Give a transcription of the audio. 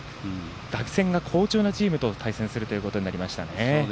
打線が好調なチームと対戦することになりました。